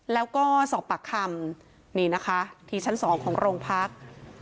แล้วก็สอบปากคำที่ชั้นสองของโรงพักษณ์